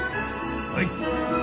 はい。